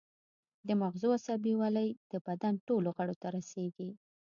د مغزو عصبي ولۍ د بدن ټولو غړو ته رسیږي